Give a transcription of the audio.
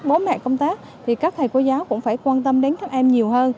bố mẹ công tác thì các thầy cô giáo cũng phải quan tâm đến các em nhiều hơn